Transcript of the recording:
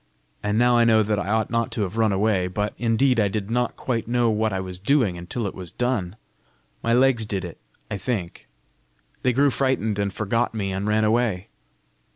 And now I know that I ought not to have run away! But indeed I did not quite know what I was doing until it was done! My legs did it, I think: they grew frightened, and forgot me, and ran away!